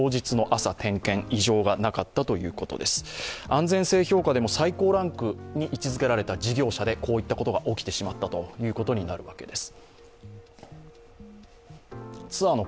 安全性評価でも最高ランクに位置づけられた事業者でこういったことが起きてしまったことになるわけです。